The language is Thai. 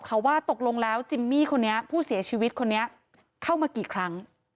เขาว่าตกลงแล้วจิมมี่คนนี้ผู้เสียชีวิตคนนี้เข้ามากี่ครั้ง